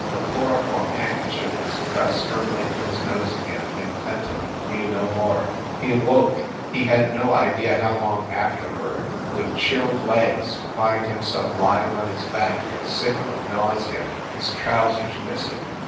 The chloroform handkerchief was pressed firmly to his nose again, and Fenton knew no more. He awoke, he had no idea how long afterward, with chilled legs, to find himself lying on his back, sick with nausea, his trousers missing.